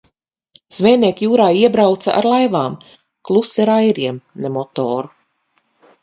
Zvejnieki jūrā iebrauca ar laivām, klusi ar airiem, ne motoru.